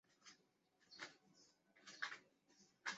其下有少数史前物种。